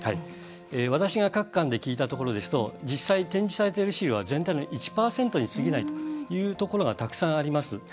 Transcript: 私が各館で聞いたところだと実際に展示されているのは全体の１％にすぎないというところがたくさんあります。